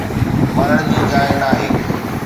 مرڻ جي جاءِ ناهي